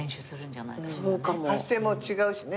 発声も違うしね。